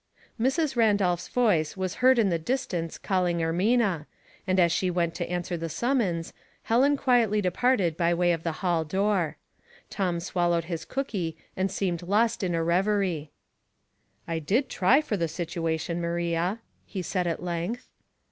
Mrs. Randolph's voice was heard in the dis tance calling Ermina, and as she went to answer the summons, Helen quietly departed by way of the hall door. Tom swallowed his cookie and seemed lost in a reverie. I did try for the situation, Maria," he said at length.